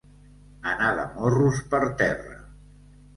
Anar de morros per terra.